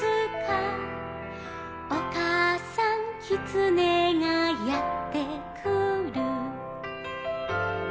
「おかあさんキツネがやってくる」